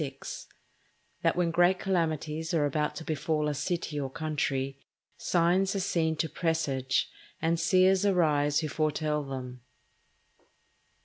—_That when great Calamities are about to befall a City or Country, Signs are seen to presage, and Seers arise who foretell them_.